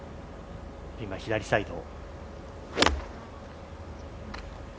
今、左サイド。